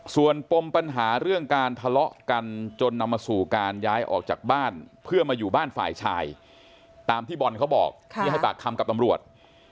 ส่วนปมปัญหาเรื่องการทะเลาะกันจนนำมาสู่การย้ายออกจากบ้านเพื่อมาอยู่บ้านฝ่ายชายตามที่บอลเขาบอกที่ให้ปากคำกับตำรวจ